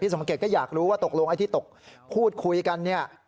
สมเกตก็อยากรู้ว่าตกลงไอ้ที่ตกพูดคุยกันเนี่ย